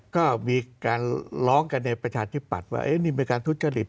ก็มีการร้องกันในประชาชนิดปัดว่าเอ๊ะนี่เป็นการทุจกฤทธิ์